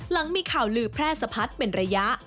หลังมีข่าวลือแพร่สะพัดเป็นระยะ